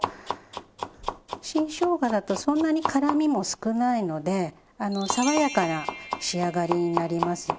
新しょうがだとそんなに辛みも少ないので爽やかな仕上がりになります。